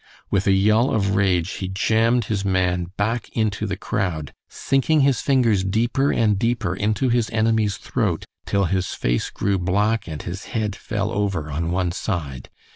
With a yell of rage he jambed his man back into the crowd, sinking his fingers deeper and deeper into his enemy's throat till his face grew black and his head fell over on one side.